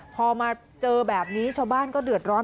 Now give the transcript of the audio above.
พอมาเจอแบบนี้ชาวบ้านก็เดือดร้อน